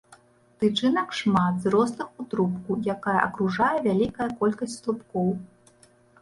Тычынак шмат, зрослых у трубку, якая акружае вялікая колькасць слупкоў.